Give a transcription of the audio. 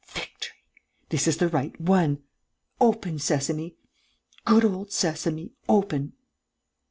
"Victory! This is the right one! Open Sesame, good old Sesame, open!"